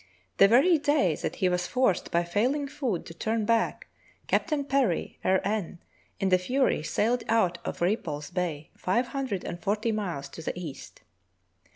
The very day that he was forced by failing food to turn back. Captain Parry, R.N., in the Fury, sailed out of Re pulse Bay five hundred and forty miles to the east.